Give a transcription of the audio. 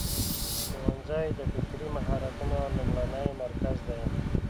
ښوونځی د فکري مهارتونو لومړنی مرکز دی.